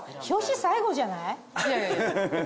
表紙最後じゃない？